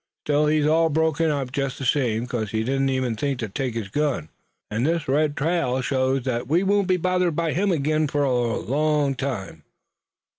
Still he's all broke up, jest the same, 'cause he didn't even think to take his gun, an' this red trail shows that we won't be bothered by him ag'in fur a long time."